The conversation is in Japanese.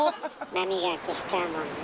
波が消しちゃうもんね。